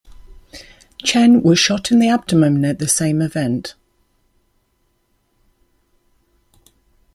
Chen was shot in the abdomen at the same event.